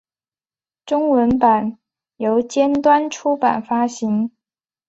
中文版由尖端出版发行。